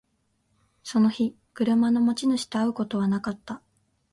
その日、車の持ち主と会うことはなかった